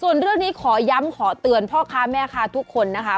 ส่วนเรื่องนี้ขอย้ำขอเตือนพ่อค้าแม่ค้าทุกคนนะคะ